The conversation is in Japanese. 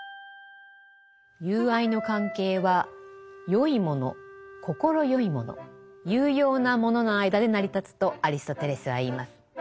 友愛の関係は善いもの快いもの有用なものの間で成り立つとアリストテレスは言います。